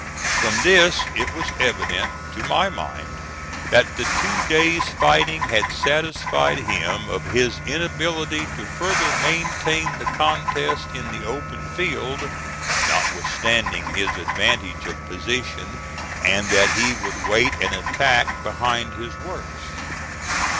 From this it was evident to my mind that the two days' fighting had satisfied him of his inability to further maintain the contest in the open field, notwithstanding his advantage of position, and that he would wait an attack behind his works.